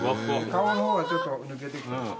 顔の方はちょっと抜けてきた。